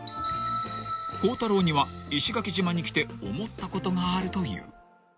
［孝太郎には石垣島に来て思ったことがあるという］